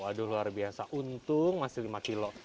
waduh luar biasa untung masih lima kilo